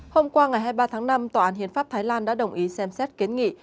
hôm qua ngày hai mươi ba tháng năm tòa án hiến pháp thái lan đã đồng ý xem xét kiến nghị